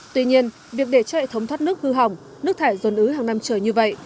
tuy nhiên việc để cho hệ thống thoát nước hư hỏng nước thải dồn ứ hàng năm trở như vậy